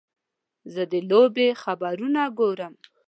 زه د لوبې خبرونه ګورم.